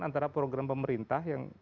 antara program pemerintah yang